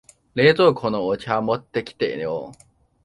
冷蔵庫のお茶持ってきてよ。